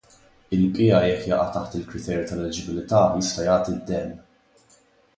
Il-bqija jekk jaqa' taħt il-kriterji ta' eliġibbiltà jista' jagħti d-demm.